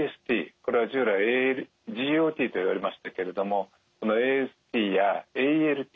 これは従来ＧＯＴといわれましたけれどもそのＡＳＴやＡＬＴ